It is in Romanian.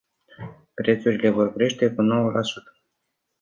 Prețurile vor crește cu nouă la sută.